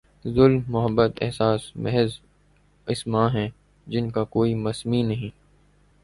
ظلم، محبت، احساس، محض اسما ہیں جن کا کوئی مسمی نہیں؟